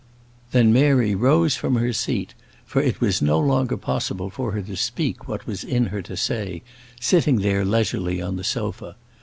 Then Mary rose from her seat, for it was no longer possible for her to speak what it was in her to say, sitting there leisurely on her sofa.